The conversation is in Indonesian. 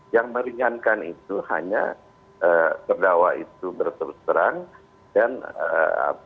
yang meringankan itu hanya perdakwa itu berserang dan mengakui